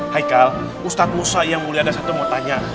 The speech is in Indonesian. haikal ustadz musa yang mulia ada satu mau tanya